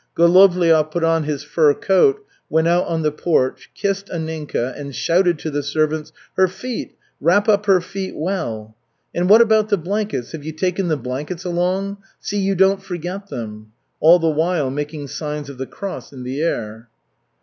Golovliov put on his fur coat, went out on the porch, kissed Anninka and shouted to the servants, "Her feet! Wrap up her feet well!" and "What about the blankets, have you taken the blankets along? See you don't forget them!" all the while making signs of the cross in the air.